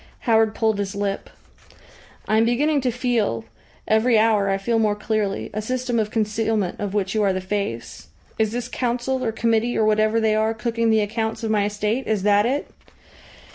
Howard pulled his lip. "I am beginning to feel every hour I feel more clearly a system of concealment of which you are the face. Is this Council, or committee, or whatever they are, cooking the accounts of my estate? Is that it?"